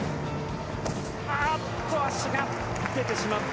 あっと、足が出てしまった。